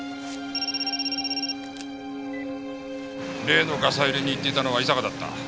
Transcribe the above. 例のガサ入れに行ってたのは井坂だった。